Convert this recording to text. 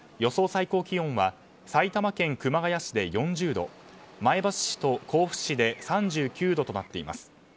最高気温は埼玉県熊谷市で４０度前橋市と甲府市で３９度となっています。